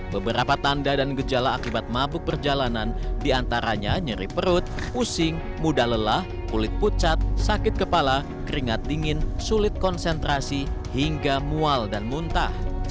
beberapa tanda dan gejala akibat mabuk perjalanan diantaranya nyeri perut pusing mudah lelah kulit pucat sakit kepala keringat dingin sulit konsentrasi hingga mual dan muntah